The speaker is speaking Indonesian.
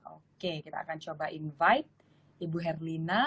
oke kita akan coba invite ibu herlina